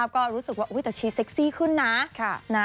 ก็รู้สึกว่าตะชีเซ็กซี่ขึ้นนะ